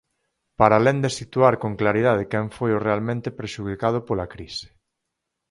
Para alén de situar con claridade quen foi o realmente prexudicado pola crise.